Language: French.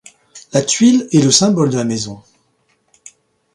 La tuile est le symbole de la maison.